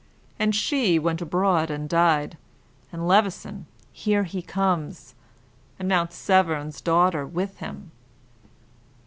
"And she went abroad and died; and Levison here he comes! And Mount Severn's daughter with him."